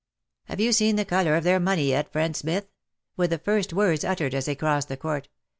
" Have you seen the colour of their money yet, friend Smith ?"— were the first words uttered as they crossed the court.